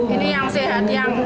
ini yang sehat